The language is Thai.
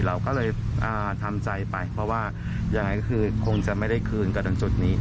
เราก็เลยทำใจไปเพราะว่ายังไงก็คือคงจะไม่ได้คืนกันตรงจุดนี้